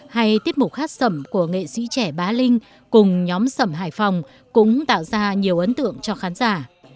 hay tiết mục hát sẩm của nghệ sĩ trẻ bá linh cùng nhóm sẩm hải phòng cũng tạo ra nhiều ấn tượng cho khán giả